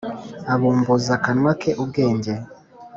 abumbuza akanwa ke ubwenge,